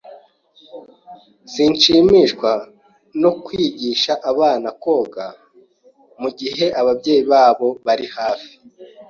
Sinshimishwa no kwigisha abana koga mugihe ababyeyi babo bari hafi.